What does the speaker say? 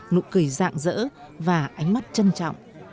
nụ cười dạng dỡ và ánh mắt trân trọng